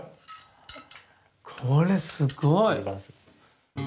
これすごい。